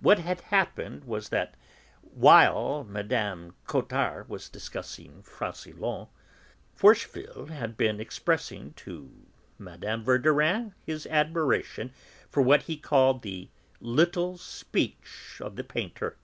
What had happened was that, while Mme. Cottard was discussing Francillon, Forcheville had been expressing to Mme. Verdurin his admiration for what he called the "little speech" of the painter.